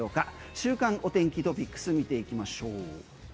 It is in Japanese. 週間お天気トピックス見ていきましょう。